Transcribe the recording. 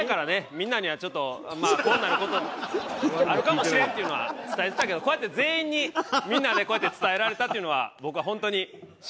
みんなにはちょっとまあこうなる事あるかもしれんっていうのは伝えてたけどこうやって全員にみんなでこうやって伝えられたっていうのは僕は本当に幸せです。